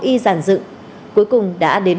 y giản dự cuối cùng đã đến